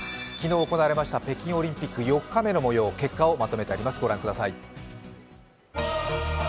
昨日行われました北京オリンピック４日目のもよう結果をまとめてあります。